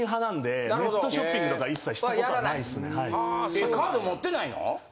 えっカード持ってないの？